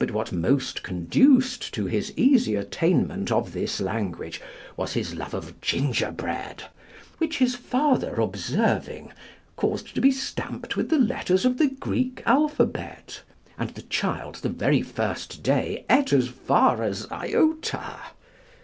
But what most conduced to his easy attainment of this language was his love of gingerbread: which his father observing, caused to be stamped with the letters of the Greek alphabet; and the child the very first day eat as far as Iota.